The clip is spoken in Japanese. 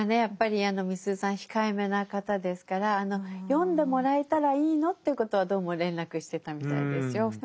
やっぱりみすゞさん控えめな方ですから読んでもらえたらいいのということはどうも連絡してたみたいですよ。